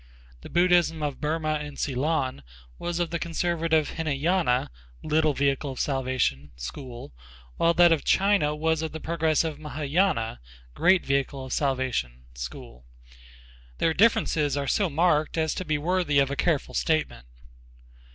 The Buddhism of Burma and Ceylon was of the conservative Hînayâna ("Little Vehicle" of salvation) school, while that of China was of the progressive Mahâyâna ("Great Vehicle" of salvation) school. Their differences are so marked as to be worthy of a careful statement.